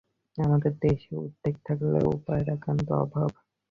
আমাদের দেশে উদ্যোগ থাকলেও উপায়ের একান্ত অভাব।